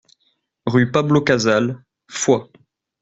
Rue Pablo Casals, Foix